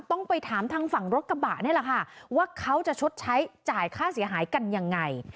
ต้องไปถามทางฝั่งรถกระบะนี่แหละค่ะว่าเขาจะชดใช้จ่ายค่าเสียหายกันยังไง